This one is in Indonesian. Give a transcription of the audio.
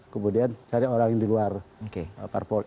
kemudian cari orang yang di luar parpol